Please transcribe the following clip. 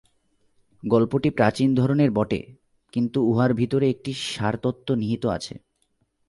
গল্পটি প্রাচীন ধরনের বটে, কিন্তু উহার ভিতরে একটি সারতত্ত্ব নিহিত আছে।